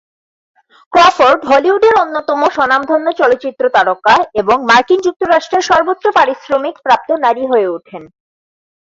Crawford হলিউডের অন্যতম স্বনামধন্য চলচ্চিত্র তারকা এবং মার্কিন যুক্তরাষ্ট্রের সর্বোচ্চ পারিশ্রমিক প্রাপ্ত নারী হয়ে ওঠেন।